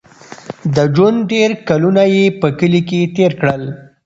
د ژوند ډېر کلونه یې په کلي کې تېر کړل.